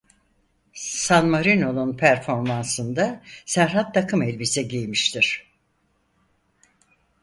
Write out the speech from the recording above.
San Marino'nın performansında Serhat takım elbise giymiştir.